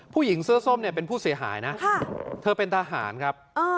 ผู้หญิงเสื้อส้มเนี่ยเป็นผู้เสียหายนะเธอเป็นทหารครับ